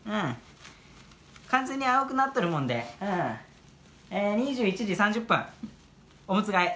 完全に青くなってるもんでうんえ２１時３０分おむつ替え。